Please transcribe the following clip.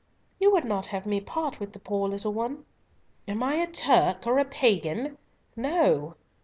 "You would not have me part with the poor little one?" "Am I a Turk or a Pagan? No.